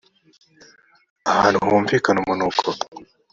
ahantu humvikana umunuko